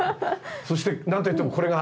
そして何と言ってもこれが名札が。